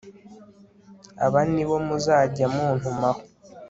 aba ni bo muzajya muntumaho